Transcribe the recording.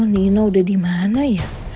nino udah dimana ya